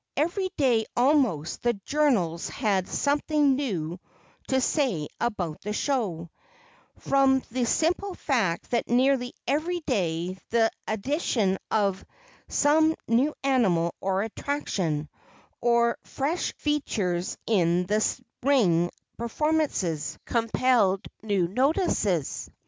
Every day, almost, the journals had something new to say about the show, from the simple fact that nearly every day the addition of some new animal or attraction, or fresh features in the ring performances compelled new notices.